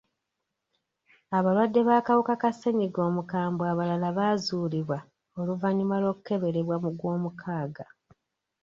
Abalwadde b'akawuka ka ssennyiga omukambwe abalala baazuulibwa oluvannyuma lw'okukeberebwa mu gw'omukaaga.